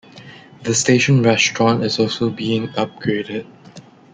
The station restaurant is also being upgraded.